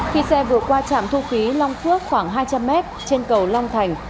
khi xe vừa qua trạm thu phí long phước khoảng hai trăm linh m trên cầu long thành